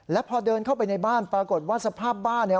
และพอเดินเข้าไปในบ้านปรากฏว่าสภาพบ้านเนี่ย